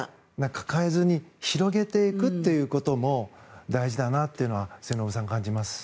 抱えずに広げていくということも大事だなというのは末延さん、感じます。